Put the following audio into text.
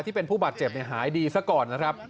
ที่เป็นผู้บาดเจ็บหายดีซะก่อนนะครับ